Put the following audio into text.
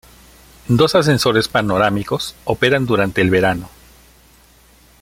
Dos ascensores panorámicos operan durante el verano.